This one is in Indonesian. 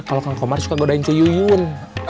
kalau kang komar suka godain ceyuin